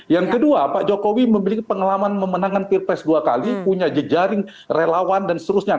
yang kedua pak jokowi memiliki pengalaman memenangkan pilpres dua kali punya jejaring relawan dan seterusnya